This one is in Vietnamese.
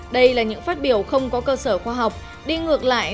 đây là những phát biểu không có cơ sở khoa học đi ngược lại